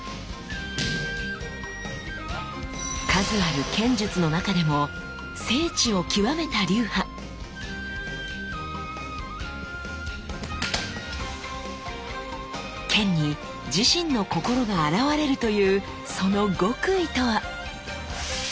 数ある剣術の中でも剣に自身の心が表れるというその極意とは？